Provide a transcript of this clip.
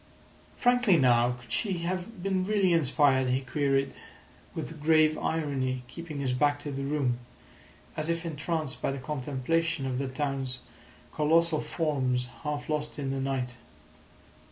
"Frankly now, could she have been really inspired?" he queried, with grave irony, keeping his back to the room, as if entranced by the contemplation of the town's colossal forms half lost in the night.